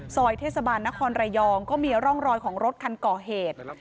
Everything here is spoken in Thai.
ซอยเทศบาลนครระยองก็มีร่องรอยของรถคันก่อเหตุ